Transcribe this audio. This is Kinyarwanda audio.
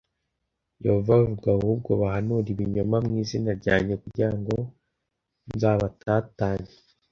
Yehova avuga ahubwo bahanura ibinyoma mu izina ryanjye kugira ngo nzabatatanye